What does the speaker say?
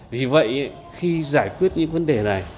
vì vậy khi giải quyết những vấn đề này